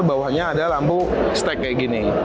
bawahnya ada lampu stek kayak gini